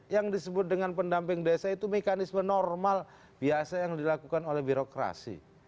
yang disebut dengan pendamping desa itu mekanisme normal biasa yang dilakukan oleh birokrasi